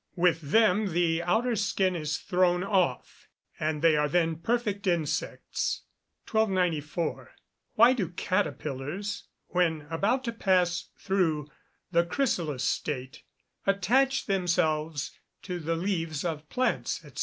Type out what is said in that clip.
With them the outer skin is thrown off, and they are then perfect insects. 1294. _Why do caterpillars, when about to pass through the chrysalis state, attach themselves to the leaves of plants, &c.?